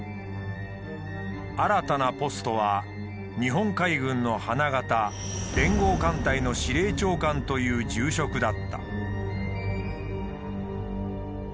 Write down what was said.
新たなポストは日本海軍の花形連合艦隊の司令長官という重職だった。